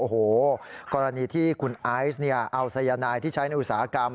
โอ้โหกรณีที่คุณไอซ์เอาสายนายที่ใช้ในอุตสาหกรรม